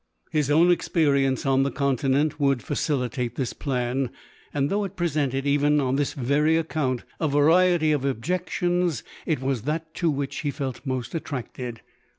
His own experience on the continent would fa cilitate this plan ; and though it presented, even on this very account, a variety of objections, it was that to which he felt most attracted.